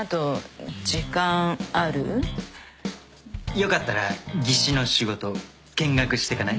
よかったら技師の仕事見学してかない？